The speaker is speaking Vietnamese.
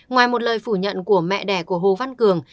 ngoài một lời phủ nhận của mẹ đẻ của hồ văn cường